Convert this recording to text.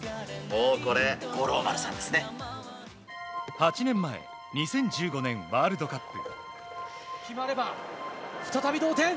８年前、２０１５年ワールドカップ。